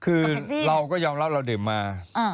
คือเราก็ยอมรับเราดื่มมา